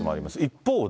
一方で。